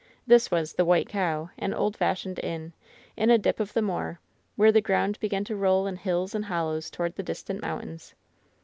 This was "The White Cow/' an old fashioned inn, in a dip of the moor, where the ground began to roll in hills and hollows toward the distant mountains.